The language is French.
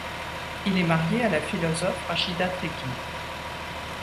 Il est marié à la philosophe Rachida Triki.